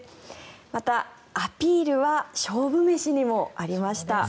また、アピールは勝負飯にもありました。